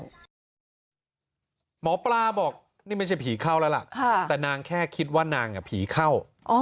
หมอปลาบอกนี่ไม่ใช่ผีเข้าแล้วล่ะแต่นางแค่คิดว่านางผีเข้า